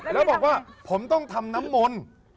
แล้วผมต้องทำน้ำมน